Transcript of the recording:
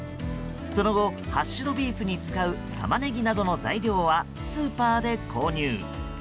その後、ハッシュドビーフに使う玉ねぎなどの材料はスーパーで購入。